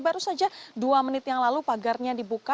baru saja dua menit yang lalu pagarnya dibuka